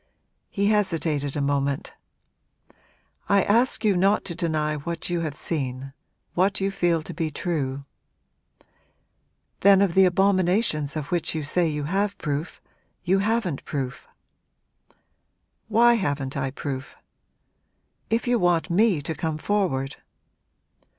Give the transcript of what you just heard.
He hesitated a moment. 'I ask you not to deny what you have seen what you feel to be true.' 'Then of the abominations of which you say you have proof, you haven't proof.' 'Why haven't I proof?' 'If you want me to come forward!'